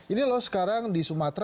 ini loh sekarang di sumatera